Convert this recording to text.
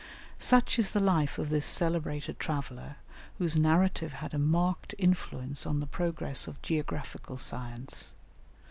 Such is the life of this celebrated traveller, whose narrative had a marked influence on the progress of geographical science.